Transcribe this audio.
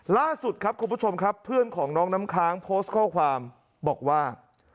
ล่าสุดครับคุณผู้ชมครับเพื่อนของน้องน้ำค้างโพสต์ข้อความบอกว่า